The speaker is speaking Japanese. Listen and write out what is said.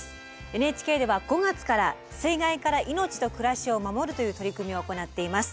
ＮＨＫでは５月から「水害から命と暮らしを守る」という取り組みを行っています。